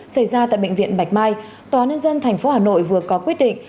xảy ra tại bệnh viện bạch mai tòa nhân dân tp hà nội vừa có quyết định